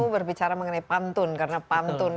berbicara mengenai pantun karena pantun